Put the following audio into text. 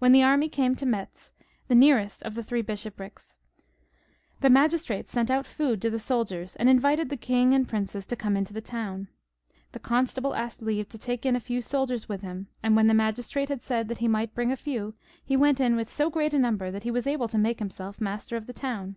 When the army came to Metz, the nearest of the Three Bishoprics, the magistrates sent out food to the soldiers and invited the king and princes to come into the town. The constable asked leave to take in a few soldiers with ' him, and when the magistrates had said that he might bring a few, he went in with so great a number, that he was able to make himself master pf the town.